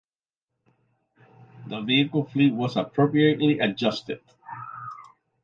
The vehicle fleet was appropriately adjusted.